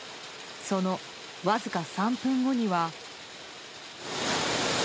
そのわずか３分後には。